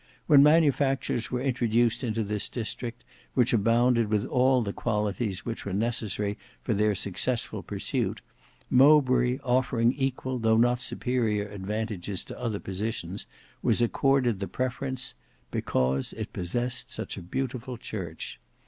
When manufactures were introduced into this district, which abounded with all the qualities which were necessary for their successful pursuit, Mowbray offering equal though not superior advantages to other positions, was accorded the preference, "because it possessed such a beautiful church."